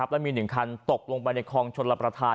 และมี๑คันตกลงไปในคลองชนรับประทาน